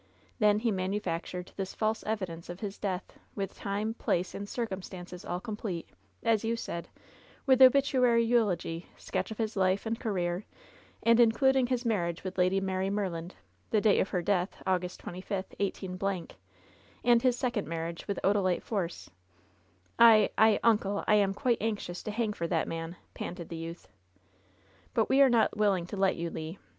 Then he manufactured this false evidence of his death, with time, place and circumstances all complete, as you said, with obituary eulogy, sketch of his life and career, and including his marriage with Lady Mary Merland, the date of her death, August 25, 18 — y and his second marriage with Odalite Force ^^ "I — I — ^uncle, I am quite anxious to hang for that man V^ panted the youth. "But we are not willing to let you, Le.